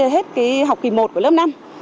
hết cái học kỳ một của lớp năm